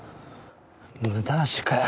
無駄足かよ。